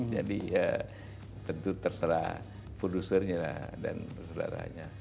jadi tentu terserah produsernya dan saudaranya